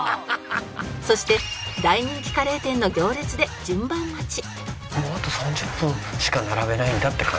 そして大人気カレー店の行列で順番待ち